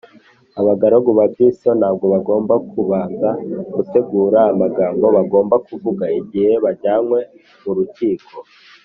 abagaragu ba kristo ntabwo bagombaga kubanza gutegura amagambo bagomba kuvuga igihe bajyanywe mu rukiko